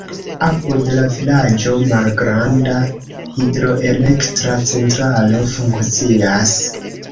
Apud la vilaĝo malgranda hidroelektra centralo funkcias.